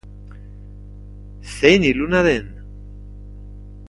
Zein iluna den!